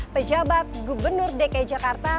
pejabat gubernur dki jakarta